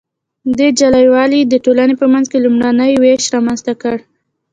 دې جلا والي د ټولنې په منځ کې لومړنی ویش رامنځته کړ.